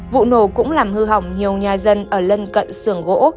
vụ nổ cũng làm hư hỏng nhiều nhà dân ở lân cận sưởng gỗ